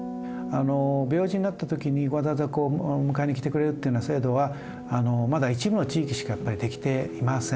病児になった時にわざわざ迎えに来てくれるっていうような制度はまだ一部の地域しか出来ていません。